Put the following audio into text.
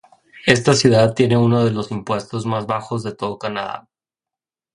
Esta ciudad tiene uno de los impuestos más bajos de todo Canadá.